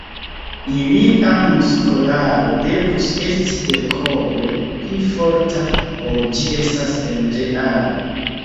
Ilia muskolaro devus esti dekoble pli forta, ol ĝi estas en realo.